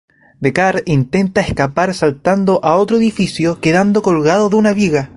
Deckard intenta escapar saltando a otro edificio quedando colgado de una viga.